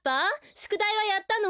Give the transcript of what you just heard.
しゅくだいはやったの？